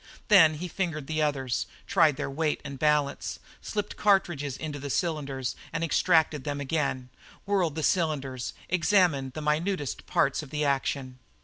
Then he fingered the others, tried their weight and balance, slipped cartridges into the cylinders and extracted them again, whirled the cylinders, examined the minutest parts of the actions.